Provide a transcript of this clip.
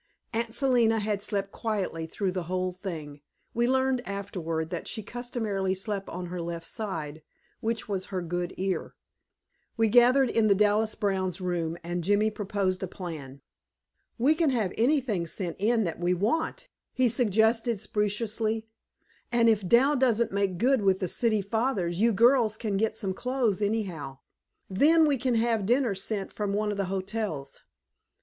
Aunt Selina had slept quietly through the whole thing we learned afterward that she customarily slept on her left side, which was on her good ear. We gathered in the Dallas Browns' room, and Jimmy proposed a plan. "We can have anything sent in that we want," he suggested speciously, "and if Dal doesn't make good with the city fathers, you girls can get some clothes anyhow. Then, we can have dinner sent from one of the hotels."